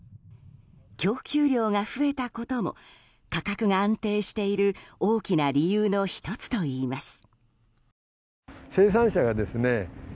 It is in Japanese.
供給量が増えたことも価格が安定している大きな理由の１つといいます。